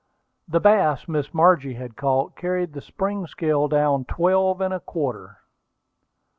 The bass Miss Margie had caught carried the spring scale down to twelve and a quarter.